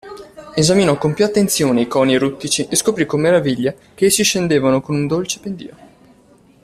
Esaminò con più attenzione i coni eruttici e scoprì con meraviglia che essi scendevano con un dolce pendio.